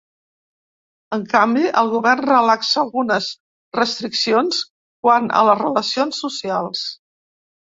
En canvi, el govern relaxa algunes restriccions quant a les relacions socials.